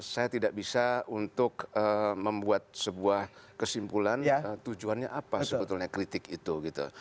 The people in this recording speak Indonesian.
saya tidak bisa untuk membuat sebuah kesimpulan tujuannya apa sebetulnya kritik itu gitu